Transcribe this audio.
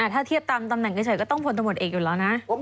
ถ้าเทียบตามตำแหน่งเฉยก็ต้องพลตำรวจเอกอยู่แล้วนะ